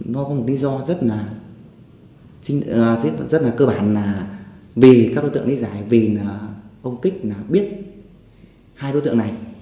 nó có một lý do rất là cơ bản là vì các đối tượng đi giải vì ông kích biết hai đối tượng này